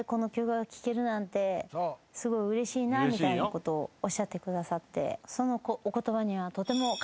みたいなことをおっしゃってくださって。